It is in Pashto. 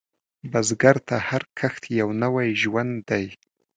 بزګر ته هر کښت یو نوی ژوند دی